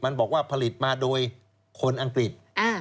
มันบอกว่าผลิตมาโดยคนอังกฤษ